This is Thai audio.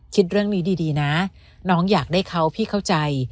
คิดเรื่องนี้ดีนะน้องอยากได้เขาพี่เข้าใจ